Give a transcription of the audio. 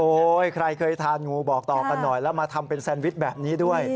ใครเคยทานงูบอกต่อกันหน่อยแล้วมาทำเป็นแซนวิชแบบนี้ด้วย